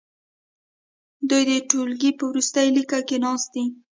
دوی د ټوولګي په وروستي لیکه کې ناست دي.